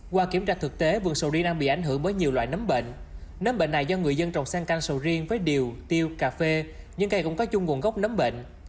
qua kiểm tra thực tế vườn sầu riêng đang bị ảnh hưởng bởi nhiều loại nấm bệnh nấm bệnh này do người dân trồng sen canh sầu riêng với điều tiêu cà phê những cây cũng có chung nguồn gốc nấm bệnh